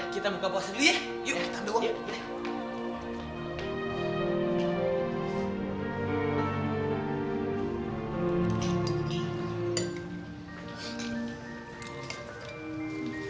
kita buka puasa dulu ya yuk kita doang